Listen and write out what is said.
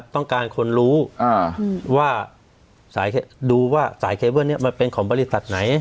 ต้องการคนรู้ว่าดูว่าสายเคเบิ้ลนี้มันเป็นของบริษัทไหน